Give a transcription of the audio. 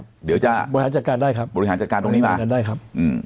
บริหารจัดการได้ครับ